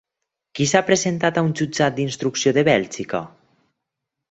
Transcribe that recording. Qui s'ha presentat a un jutjat d'instrucció de Bèlgica?